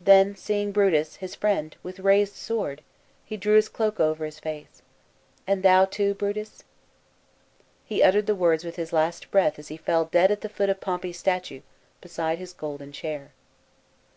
Then seeing Brutus, his friend, with raised sword, he drew his cloak over his face, " And thou too, Brutus ?" He uttered the words with his last breath as he fell dead at the foot of Pompey's statue, beside his golden chair.